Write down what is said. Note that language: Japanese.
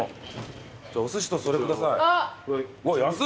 お寿司とそれ下さい。